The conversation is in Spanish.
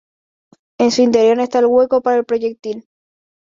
En su interior está el hueco para el proyectil.